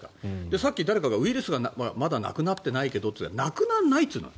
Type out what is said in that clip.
さっき誰かが、ウイルスがまだなくなってないけどってなくならないっていうの。